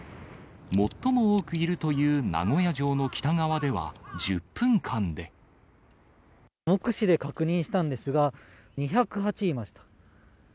最も多くいるという名古屋城の北目視で確認したんですが、２０８いました。